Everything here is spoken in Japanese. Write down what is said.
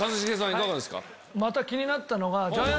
いかがですか？